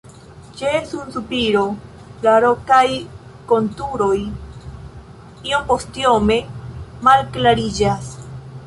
Ĉe sunsubiro la rokaj konturoj iompostiome malklariĝas.